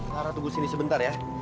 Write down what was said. lara tunggu sini sebentar ya